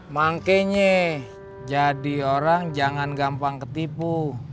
mangkenya jadi orang jangan gampang ketipu